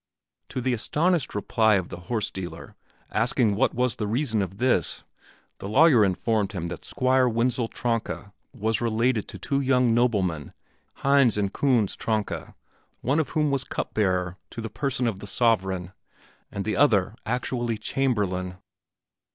To the astonished reply of the horse dealer asking what was the reason of this, the lawyer informed him that Squire Wenzel Tronka was related to two young noblemen, Hinz and Kunz Tronka, one of whom was Cup bearer to the person of the sovereign, and the other actually Chamberlain.